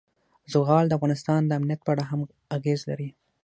زغال د افغانستان د امنیت په اړه هم اغېز لري.